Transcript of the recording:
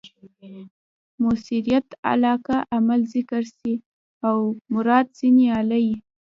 مؤثریت علاقه؛ عمل ذکر سي او مراد ځني آله يي.